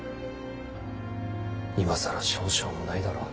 今更「少将」もないだろう。